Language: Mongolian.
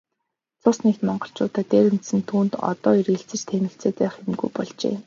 Цус нэгт монголчуудаа дээрэмдсэн түүнд одоо эргэлзэж тээнэгэлзээд байх юмгүй болжээ.